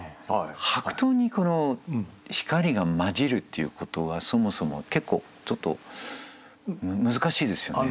白桃にこの光が交じるっていうことはそもそも結構ちょっと難しいですよね。